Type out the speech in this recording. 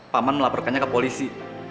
pak man melaporkannya ke polisi